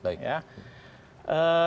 kalau soal penataan